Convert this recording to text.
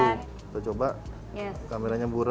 kita coba kameranya burem